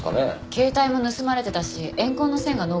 携帯も盗まれてたし怨恨の線が濃厚かもね。